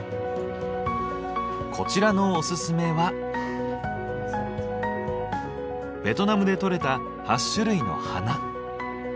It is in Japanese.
こちらのおすすめはベトナムでとれた８種類の花。